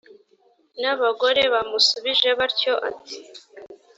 n abagore bamusubije batyo ati